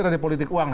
dari politik uang